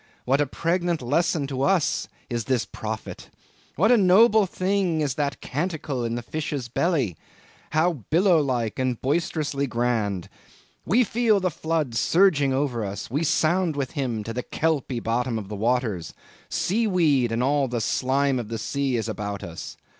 what a pregnant lesson to us is this prophet! What a noble thing is that canticle in the fish's belly! How billow like and boisterously grand! We feel the floods surging over us; we sound with him to the kelpy bottom of the waters; sea weed and all the slime of the sea is about us!